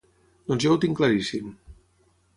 Doncs jo ho tinc claríssim.